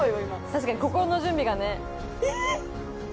確かに心の準備がね。えっ！